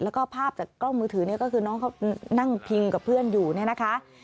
แล้วก็ภาพจากกล้องมือถือเนี่ยก็คือน้องเขานั่งพิงกับเพื่อนอยู่เนี่ยนะคะ